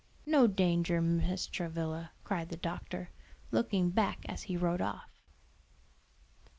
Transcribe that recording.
"No danger, Mrs. Travilla," cried the doctor, looking back as he rode off.